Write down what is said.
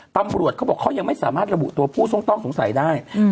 ตำรวจเขาบอกเขายังไม่สามารถระบุตัวผู้ต้องสงสัยได้